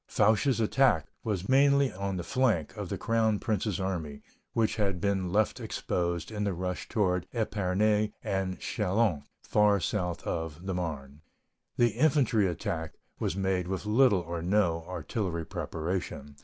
Foch's attack was mainly on the flank of the crown prince's army, which had been left exposed in the rush toward Epernay and Châlons, far south of the Marne. The infantry attack was made with little or no artillery preparation.